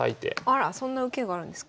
あらそんな受けがあるんですか。